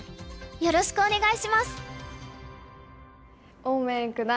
よろしくお願いします。